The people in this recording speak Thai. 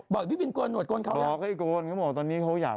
บอกพี่บินกับโกรธโกนเขา